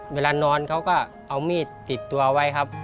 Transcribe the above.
เวลานอนเขาก็เอามีดติดตัวไว้ครับ